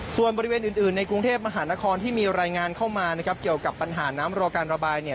ส่วนบริเวณอื่นในกรุงเทพมหานครที่มีรายงานเข้ามานะครับเกี่ยวกับปัญหาน้ำรอการระบายเนี่ย